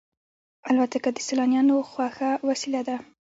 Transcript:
الوتکه د سیلانیانو خوښه وسیله ده.